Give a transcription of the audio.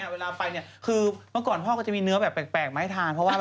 เวลาไปเนี่ยคือเมื่อก่อนพ่อก็จะมีเนื้อแบบแปลกมาให้ทานเพราะว่า